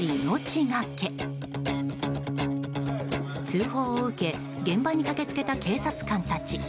通報を受け現場に駆け付けた警察官たち。